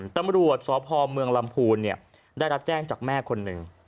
ตำรวจสอบภอมเมืองลำภูนย์เนี้ยได้รับแจ้งจากแม่คนหนึ่ง